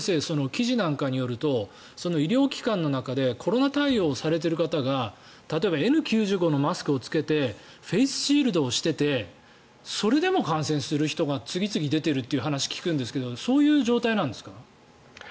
記事なんかによると医療機関の中でコロナ対応をされている方が例えばＮ９５のマスクを着けてフェースシールドをしていてそれでも感染する人が次々出ているという話を聞くんですがそういう状態なんですか？